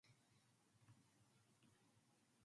The following are intended for general audiences.